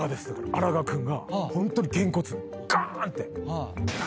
荒賀君がホントにげんこつガーン！って。